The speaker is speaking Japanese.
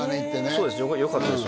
そうですねよかったです